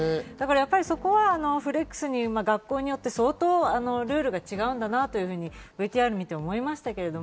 そこはフレックスに学校によって相当ルールが違うんだなというふうにＶＴＲを見て思いましたけど。